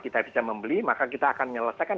kita bisa membeli maka kita akan menyelesaikan